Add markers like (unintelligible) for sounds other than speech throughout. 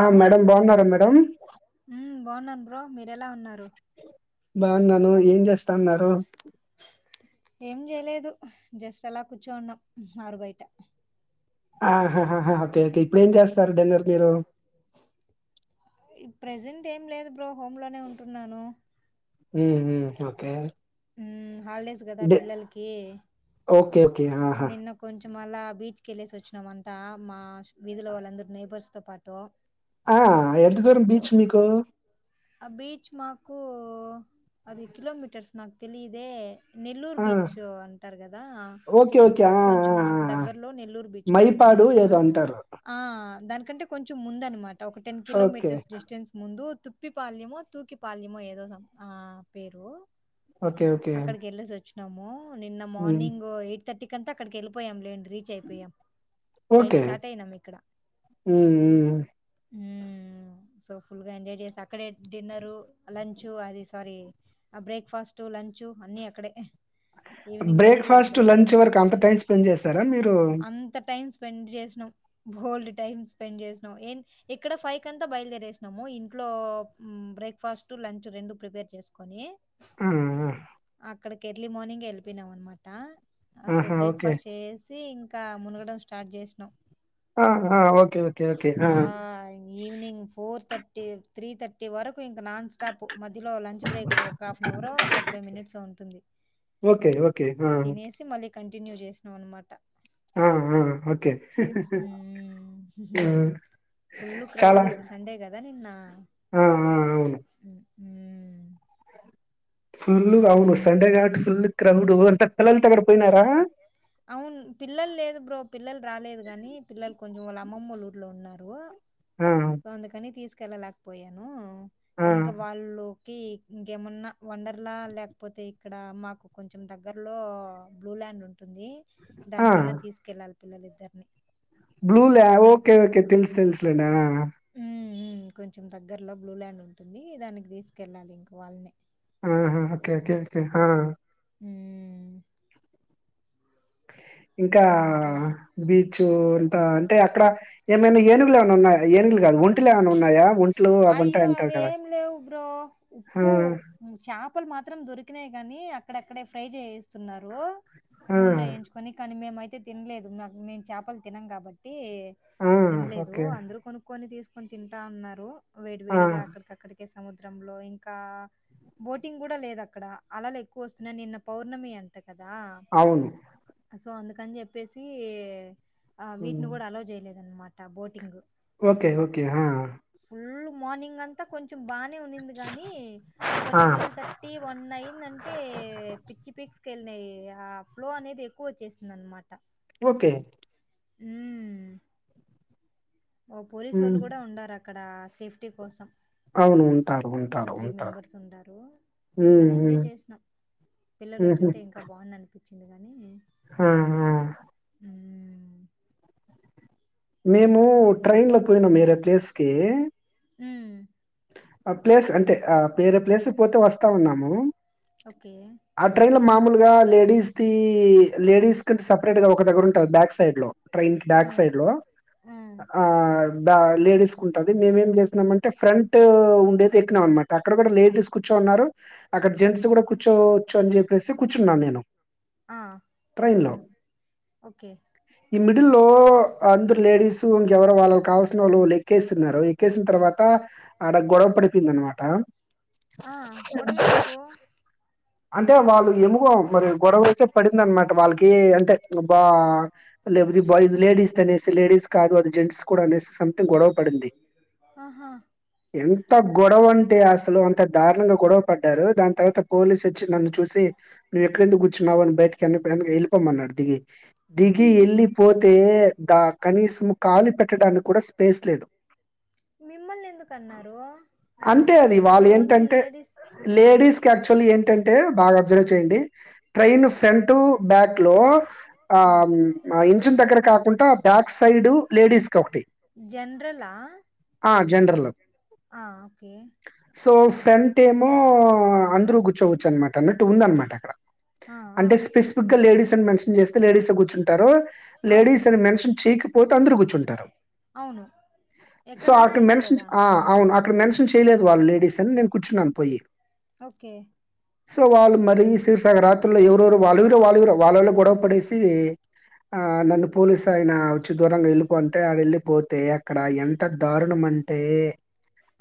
ఆ మేడం బాగున్నారా మేడం మ్మ్ బాగున్నాను బ్రో మీరు ఎలా ఉన్నారు బాగున్నాను ఏం చేస్తా ఉన్నారు ఏం చేయలేదు జస్ట్ అలా కూర్చోన్నాం ఆరు బయట ఆహాా ఓకే ఓకే ఇప్పుడు ఏం చేస్తారు డిన్నర్ మీరు ఈ ప్రెజెంట్ ఏం లేదు బ్రో హోమ్ లోనే ఉంటున్నాను ఓకే మ్మ్ హాలిడేస్ కదా డి పిల్లలకి ఓకే ఓకే ఆహా నిన్న కొంచెం కొం మళ్ళ బీచ్కి వెళ్ళేసి వచ్చినామంతా మా వీధిలో వాళ్ళందరు నైబర్స్ తో పాటు ఆ ఎంత దూరం బీచ్ మీకు ఆ బీచ్ మాకు అది కిలోమీటర్స్ నాకు తెలిదే నెల్లూరు ఆ బీచ్ అంటారు కదా ఓకే ఓకే ఆ ఆ ఆ కొంచెం మాకు ఆ! దగ్గర్లో నెల్లూరు బీచ్ ఉంటుంద మైపాడు అనమాట ఏదో అంటారు ఆ దానికి కంటే కొంచెం ముంద అనమాట ఒక టెన్ ఓకే కిలోమీటర్స్ డిస్టెన్స్ ముందు ఉప్పి పాల్యమో తూకి పాల్యమో ఏదో సం ఆ పేరు ఓకే ఓకే నమో నిన్న ఉమ్ మార్నింగ్ ఎయిట్ థటీ కంత అక్కడికి వెల్లిపోయాంలేండి రీచ్ అయిపోయాం ఫైవ్ ఓకే స్టార్ట్ అయినాం ఇక్కడ. ఉమ్ ఉమ్ ఉహ్మ్ సో ఫుల్ గా ఎంజాయ్ చేసా అక్కడే డిన్నరు లంచు అది సారీ ఆ బ్రేక్ఫాస్ట్, లంచు అన్ని అక్కడే ఈవినింగ్ మళ్ళీ బ్రేక్ఫాస్ట్, లంచ్ బయలుదేరినాం. వరకు అంత టైం స్పెండ్ చేసారా మీరు అంత టైం స్పెండ్ చేసినాం. బోల్డ్ టైం స్పెండ్ చేసినాం ఇక్కడ ఫైవ్ కంతా బయలుదేరేసినాము ఇంట్లో బ్రేక్ఫాస్ట్, లంచ్ రెండు ప్రిపేర్ చేసుకుని ఉహ్ అక్కడికి ఎర్లీ మార్నింగ్ వెళ్ళిపోయినాాం అనమాట అసో ఆహా ఓకే బ్రేక్ఫాస్ట్ చేసి ఇంక్ ఇంకా మునగడం స్టార్ట్ చేసినాం. ఆ ఆ ఓకే ఓకే ఓకే ఆ ఈవినింగ్ ఫోర్ తర్ త్రీ థర్టీ ట్టి వరకు ఇంకా నాన్ స్టాప్ మధ్యలో లంచ్ బ్రేక్ ఒక half an hour forty five minutes ఉంటుంది ఓకే ఓకే ఆహ్ టిన్యూ చేసినాం అనమాట ఆహ్ ఆహ్ ఓకే హ్మ్. ఫుల్లు చాలా క్రౌడు సండే గదా నిన్న. ఆహ్ ఆ అవును ఉహ్మ్ ఫుల్లుగావును వస్తు సండే గబట్ ఫుల్ క్రౌడ్ అంతా పిల్లలతో అక్కడ పోయినారా అవును పిల్లలు లేదు బ్రో. పిల్లలు రాలేదు ని పిల్లలు కొంచెం వాళ్ళ అమ్మమ్మ ఊర్లో ఉన్నారు. ఆ అందుకని తీస్ కెలాలేకపోయాను. ఆ ఇంకా వాళ్ళు కి ఇంకేమన్నా వండర్లా లేకపోతే ఇక్కడ మాకు కొంచెం దగ్గరలో బ్లూ ల్యాండ్ ఉంటుంది. ఆ దానికన్నా తీసుకెళ్ళాలి. పిల్లలిద్దరిని బ్లూ ల్యాం ఓకే ఓకే తెలుసు తెలుసులేండా ఆ ఆ ఉహ్మ్ కొంచెం దగ్గరలో బ్లూల్యాండ్ ఉంటుంది. దానికి తీసుకెళ్ళాలి ఇంకా వాళ్ళని ఆహ్ ఆ ఓకే ఓకేకే ఆహ్ ఆ ఉహ్మ్ ఇంకా ఇంకేంటి? బీచు అంతా అంటే అక్కడ ఏమైనా ఏనుగులు ఏమైనా ఉన్నాయా, ఏనుగులు కాదు వోన్. అయ్యో కదా అవేం లేవు బ్రో, ఆ ఉప్పు చేపలు మాత్రం దొరికినాయి. కాని అక్కడ అక్కడే ఫ్రై చేయిస్తున్నారు ఆ నూనేలో వేయించుకొని కానీ మేమై అయితే తినలేదు మాక్ మేం చేపలు తినం కాబట్టి ఆ ట్టి తినలేదు ఓకే అందరుూ కొనుక్కొని తీస్ కొని తింటా ఉన్నారు వేడి ఆ వేడిగా అక్కడికక్కడి ఏ సముద్రంలో ఇంకా బోటింగ్ కూడా లేదు అక్కడ, అలలు ఎక్కువ వస్తున్నాయి నిన్న పౌర్ణమి అంట. కదా అవును సో అందుకని చెప్పేసి ఆ హ్మ్. వీటిని కూడా అలో చేయలేదనమాట బోటింగ్ కే హా ఫుల్ మార్నింగ్ అంతా కొన్ కొంచం బానే ఉండింది కానీ ఒక ఆ ట్వల్ థర్టీ, వన్ అయ్యిందంటే పిచ్చి పీక్స్. కెళ్ళి ఆ ఫ్లో అనేది ఎక్కువ వచ్చేసింది అనమాట ఓకే హ్మ్ ఓ పోలీసోళ్ళు హ్మ్ కూడా ఉండారు అక్ ఇక్కడ అస్ సేఫ్టీ కోసం అవును. ఉంటారు. ఒక ఉంటారు. త్రీ ఉంటారు. మెంబర్స్ ఉన్నారు హ్మ్. ఫుల్గానే ఎంజాయ్ హ్మ్. చేసినాం పిల్లలు హుహు. వచ్చింటే ఇంకా బాగున్ను అనిపించింది వచ్చింది కానీ ఆ హా హ్మ్. మేము అది. ట్రైన్ లో పోయినాం వేరే ప్లేస్కి హ్మ్ ఆ ప్లేస్ అంటే ఆ వేరే ప్లేస్ పోతే వస్తా ఉన్నా ము ఓకే. ఆ ట్రైన్లో మామూలుగా లేడీస్ ది లేడీస్ సపరేట్గా ఒక దగ్గరుంటే బ్యాగ్స్ సైడ్ లో ట్రైన్ కి బ్యాక్ హ్మ్. సైడ్ లో హ్మ్. బా లేడీస్ కి ఉంటది మేమేం చేసినామంటే ఫ్రంట్ ట్ ఉండేది ఎక్కినాం అన్నమాట అక్కడ కూడా లేడీస్ కూర్చోన్నారు అక్కడ జెంట్స్ కూడా కూర్చోవచ్చు అని చెప్పేసి కూర్చున్నాను నేను ఆ ఎల్లో ఓకే ఈ మిడిల్ లో అందరు లేడీస్ ఇంకెవరు వాళ్ళకి కావాల్సిన వాళ్ళు వాళ్ళు ఎక్కేస్తున్నారు ఎక్కేసిన తర్వాత ఆడ గొడవ పడిపోంద అనమాట ఆ గొడవ ఎందుకు అంటే వాళ్ళు ఎముగో మరి గొడవ అయితే పడింద అనమాట వాళ్ళకి అంటే బా లే బాయ్స్ లేడీస్ త అనేసి లేడీస్ కాదు అది జెంట్స్ కూడా అనేసి సథింగ్ గొడవ పడింది ఆహా! ఎంత గొడవ అంటే అసలు అ దారుణంగా గొడవ పడ్డారు దాని తర్వాత పోలీసు చ్చి నన్ను చూసి నువ్వు ఎక్కడెందుకు కూర్చున్నావ అని బయటికి వెందు వెళ్ళిమన్నాడు దిగి దిగి హ్మ్. వెళ్ళిపోతే దా కనీసం కాలి పెట్టడానికి కూడా స్పేస్ లేదు మిమ్మల్ని ఎందుకు అన్నారు అంతే అది వాళ్ళు ఓన్లీ ఏంటంటే లేడీస్ అంటే బాగా అబ్జర్వ్ చేయండి ట్రైన్ ఫ్రంట్ టు బ్యాక్ లో ఆ ఇంచన్ దగ్గర కాకుండా బ్యాక్ సైడ్ లేడీస్ క ఒకటి జనరలా? జనరల్ ఆ! ఓకే. సో ఫ్రెంట్ ఏమో అందరుూ కూర్చోవచ్చు అనమాట అన్నట్టు ఉంద అన్నమాట అక్కడ ఆ! ఆ! అంటే స్పెసిఫిక్ గా లేడీస్ అని మెన్షన్ చేస్తే లేడీస్ కూర్చుంట తారు అవును. లేడీస్ అని మెన్షన్ చేయకపోతే అందరుూ కూర్చుంటారు అవును. సో ఎక్కడన్నా అక్కడ ఇదే మెన్షన్ గదా! ఆ అవును అక్కడ హ్మ్. మెన్షన్ చేయలేదు వాళ్ళు లేడీస్ అని నేను కూర్చున్నాను పోయి ఓకే. సవాల మరి సి సకరాతి ఎవరురు వాళవి వాళగు వాాలలో గొడవ పడస ఆ నన్ను పోలీసు ఆయన వచ్చి దూరంగా వెళ్ళిపోంటే ఆడ వెళ్ళిపోచ్చు అతే అక్కడ ఎంత దారుణం అంటే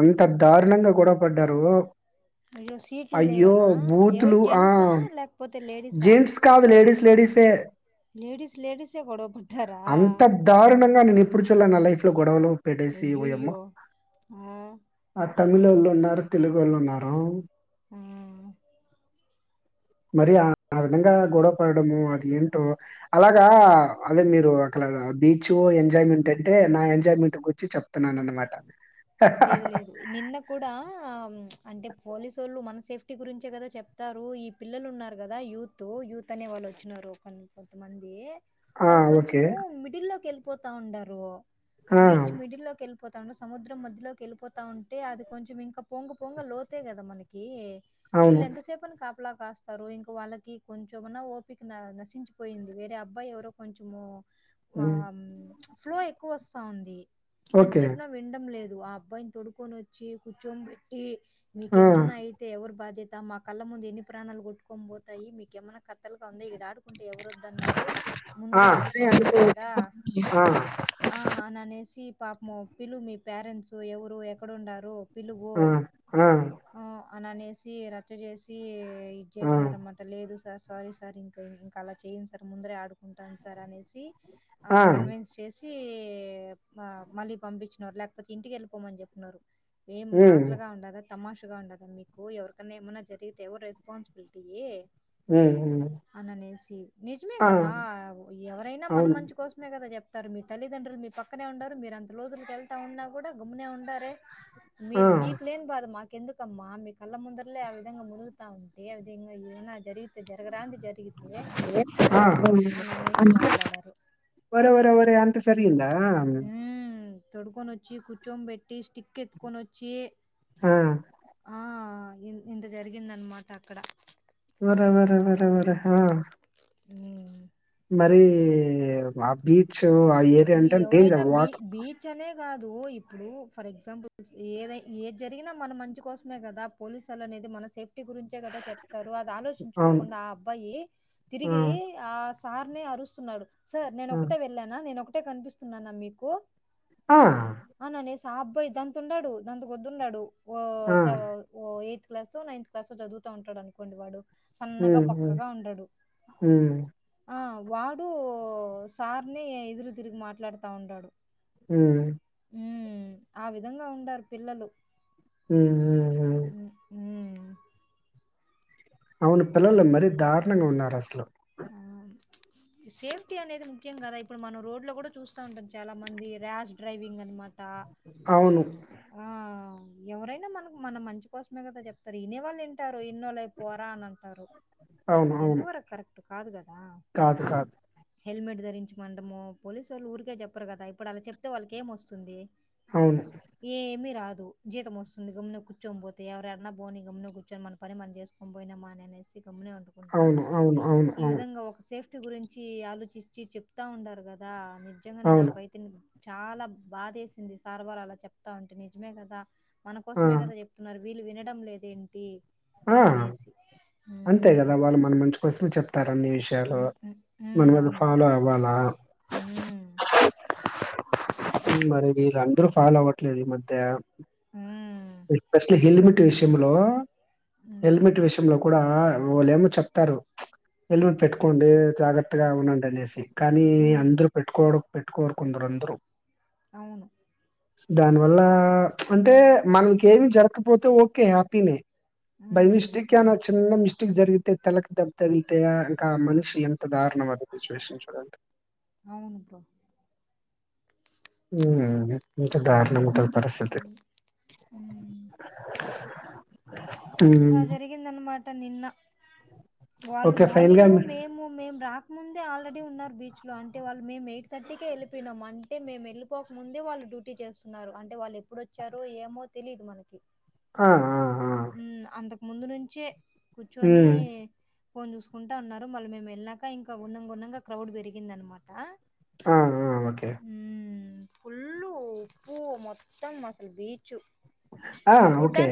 అంత దారుణంగా గొడ పడ్డారు అో సీట్ అయ్యో బూతులు ఆ లేకపోతే లేడీసా? జీన్స్ కాదులే కాదు లేడీస్ లేడీస్ే లేడీస్ లేడీసే గొడవ పడ్డారా? అంత దారుణంగా నేను ఎప్పుడు చూళ్ల నా లైఫ్ గోడవాలు అయ్యాయో ఆ తమిళ వాళ్ళు ఉన్నారు తెలుగు వాళ్ళు ఉన్నారు ఆ మరి ఆ ఆ విధంగా గొడవ పడడము అది ఏంటో అలాగా క అదే మీరు అక్కలా బీచ్ ఎంజాయ్మెంట్ అంటే నా ఎంజాయ్మెంట్ గు వచ్చి చెప్తున్నాను అన్నమాట లేదు లేదు నిన్న కూడా ఆ అంటే పోలీసోళ్ళు మన సేఫ్టీ గురించే కదా చెప్తారు. ఈ పిల్లలు ఉన్నారు కదా, యూత్ యూత్ అనే వాళ్ళు వచ్చినారు కొన్ని కొంతమంది. ఆ! వాళ్ళు ఓకే. కొంచెము మిడిల్ లోకెల్ పోతా ఉండారు ఆ! బీచ్ మిడిల్ లోకి వెళ్ళిపోత్ తాను సముద్ర మద్ ధ్య లోకి వెళ్ళిపోతా ఉంటే, అది కొంచెం ఇంకా పొంగ పొంగ లోతే కదా మనకి. అవును. వీళ్ ఎంత సేపు అని కాప్ కాపులా కాస్తారు ఇంకా వాళ్ళకి కొంచెంమన్నా ఓపిక నశించిపోయింది, వేరే అబ్బాయి ఎవరో కొంచెము. ఆ హ్మ్. మ్ ఫ్లో ఎక్కువ వస్తా ఉంది ఎంత ఓకే. చెప్పినా వినడం లేద్ దు ఆ అబ్బాయిని తోడుకొని వచ్చి కూర్చోంన్ బెట్టి ఆ! మీకేమన్నా అయితే ఎవర్ బాద్ ధ్యత మా కళ్ళ ముందు ఎన్ని ప్రాణాలు కొట్టుకొని పోతాయి మీకేమన్నా కథల్ తోంది ఈడ ఆడుకుంటే ఎవరు వద్దన్నారు, ఆ! ముందరే అదే ఆడుకోవచ్చు అనుకోవచ్చు. కదా ఆ! ఆ అని అనేసి. పాపము పిలు మీ పేరెంట్స్ ఎవరు ఎక్కడుండారు పిలువో ఆ! ఆ! ఆ అననేసి రచ్చ చేసి ఇద్ ఆ! చేస్నార అన్నమాట లేదు సా సారీ సార్ ఇంకా ఇంకా అలా చేయ్యను సార్ ముందరే ఆడుకుంటాను సార్ అనేసి ఆ కన్విన్స్ చేస్ (unintelligible) ఆ మళ్ళీ పంపించ్నార్ లేక్ ఇంటికి వెళ్ళపోమని చెప్పినన్నారు ఏం హ్మ్. మాట్లాగా ఉండదా తమాషగా ఉండదా మీకు ఎవరికైనా ఏమన్నా జరిగితే ఎవరు రెస్పాన్సిబిలిటీ హ్మ్ హు హ్మ్ నిజమే కదా ఎవరైనా మన అవును. మంచి కోసమే కదా చెప్ తారు మీ తల్లిదండ్రులు మీ పక్కనే ఉండరు మీరు అంత లోజూర్ కేల్ అంట ఉన్నా కూడా గుమ్నే ఉండరే ఆ! మీర్ మీక్లేని బాధ మాక్ ఎందుకమ్మా మీ కళ్ళ ముందరలే ఆ విధంగా మునుగుతా ఉంటే ఆ విధంగా ఏనా జరిగితే జరగరాంది జరిగితే ఆ అని అనేసి మాట్లాడారు వరే వరే వరే అంత జరిగిందా ఆ అన్ తొడుక్కోని వచ్చి కూర్చో బెట్టి స్టిక్ ఎత్కొని వచ్చి ఆ ఆ, ఇంత జరిగింది అనమాట అక్కడ వరవర వరవర హ ఉ మరీ ఆ బీచ్ ఆ ఏరియా ఇప్పుడు అంటే ఎవరైనా డేంజర్ బీ వాటర్ బీచ్ అనే కాదు ఇప్పుడు ఫర్ ఎగ్జాంపుల్ ఏద ఏ జరిగినా మన మంచి కోసమే కదా పోలీసు వాల అనేది మన సేఫ్టీ గురించే కదా చెప్ తరువాత అవును. ఆలోచించుకోకుండా ఆ అబ్బాయి ఆ! తిరిగి ఆ సార్నే అరుస్తున్నాడు సార్ నేను ఆ! ఒకటే వెళ్ళానా నేను ఒక అట్టే కనిపిస్తున్నానా మీకు ఆ! అనానేేసి ఆ అబ్బాయ్ దంత ఉండాడు దంత కొద్దున్నాడు ఓ ఆ! స ఓ క్లాసో నైన్త్ క్లాసో చదుత ఉంటాడు అనుకోండి వాడు సన్నగా హ్మ్. హ్మ్. బక్కగా ఉండడు హ్మ్. ఆ వాడు సార్ని ఇరు తిరిగి మాట్లాడుతా ఉంటాడు ఉ ఊ ఆ విధంగా ఉండారు పిల్లలు ఉ హు హు హ్మ్. హ్మ్. అవును పిల్లలు మరీ దారుణంగా ఉన్నారు అసలు ఆ సేఫ్టీ అనేది ముఖ్యం కదా ఇప్పుడు మనం రోడ్ లో కూడా చూస్తా ఉంటాం చాలా మంది ర్యాష్ డ్రైవింగ్ అనమా అవును ఎవరైనా మనకు మన మంచి కోసమే కదా చెప్తారు వినేవాళ్ళు వింటారు ఇన్నోళ్ళు అయి పోరా అని అంటారు అవును. అది ఎంత అవును. వరకు కరెక్ట్ కాదు కదా కాదు కాదు హెల్మెట్ ధరించమంటము పోలీసు వాళ్ళు ఊరికే చెప్పరు కదా ఇప్పుడు అలా చెప్తే వాళ్ళకి ఏం వస్తుంది అవును. ఏ ఏమి రాదు జీతం వస్తుంది గమ్మున కూర్చొని పోతే ఎవరెరైనా పోని గమ్మున కూర్చొని మన పని మనం చేస్కొని పోయినామా అని అనేసి తొమ్మునే వండుకుండా అవును. అవును. అవును. ఈ అవును. విధంగా ఒక సేఫ్ టి గురించి ఆలోచించ్చి చెప్తా ఉండారు కదా నిజంగానే అవును. నాకు అైతే చాలా బాదేసింది సార్ వాల్ అలా చెప్తా ఉంటే నిజమే కదా మన ఆ! కోసమే కదా చెప్తున్నారు. వీళ్ళు వినడం లేదేంటీ ఆ అంతే కదా వాళ్ళు మన మంచి కోసమే చెప్ తారు అన్ని విషయాలు హ్మ్. హ్మ్. హ్మ్. మనం అది అవును. ఫాలో అవ్వాలా హ్మ్. మరి వీరందరూ ఫాలో అవ్వట్లేదు ఈ మధ్యా హ్మ్. స్పషల్ హెల్మెట్ విషయంలో హ్మ్. హెల్మెట్ విషయంలో కూడా వాళ్ళేమో చెప్తారు. హెల్మెట్ పెట్టుకోండి జాగ్రత్తగా ఉందండి అనేసి కానీ హ్మ్. అందరు పెట్టుకోవడం పెట్టుకోరు కొందరందరూ అవును. దానివల్ల అంటే మనకి ఏమి జరకపోతే ఓకే హ్యాపీనే హ్మ్. బైమిస్టేక్ ఏమన్న చిన్న మిస్ జరిగితే తలకి దెబ్బ తగిలితే ఇంకా ఆ మనిషి ఎంత దారుణం అ సిచువేషన్ చూడండి. అవును బ్రో ఇంకా దారుణం ఉంటది. పరిస్థితి. మ్మ్ హ్మ్. ఆ జరిగిందన్నమాట్ ట నిన్న వాళ్ళు ఓకే ఫైనల్‌గా మార్నింగు మీ మేము మేము రాకముందే ఆల్రెడీ ఉన్నారు బి చ్లో అంటే వాళ్ళు మేం ఎయిట్ థర్టీకే ఎళ్ళిపోయినం అంటే మేము ఎళ్ళిపోక ముందే వాళ్ళు డ్యూటీ చేస్తున్నారు. అంటే వాళ్ళు ఎప్పుడోచ్చారో ఏమో తెలీదు మనకి ఆ ఆ ఆ! మ్మ్ అంతకు ముందు నుంచే కుచ్చోనీ హ్మ్. ఫోన్ చూసుకుంటా ఉన్నారు. మళ్ళ మేం ఎళ్ళాక ఇంకా ఉన్నంగా ఉన్నంగా క్రౌడ్ పెరిగిందన్నమాట. ఆ ఆ ఓకే ఫుల్ ఉప్పూ మొత్తం అసల్ బీచు ఆ ఓకే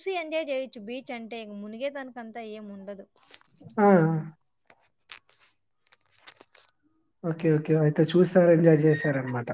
చి ఎంజాయ్ చేయొచ్చు బీచ్ అంటే మునిగే తనకంత ఏం ఉండదు. ఆ ఓకే ఓకే అయితే చూస్తారు ఎంజాయ్ చేసారన్నమాట.